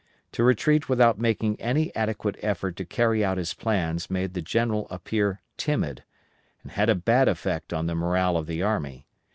To retreat without making any adequate effort to carry out his plans made the General appear timid, and had a bad effect on the morale of the army.